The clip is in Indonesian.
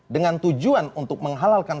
dengan tujuan untuk menghalalkan